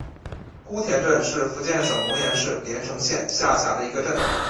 姑田镇是福建省龙岩市连城县下辖的一个镇。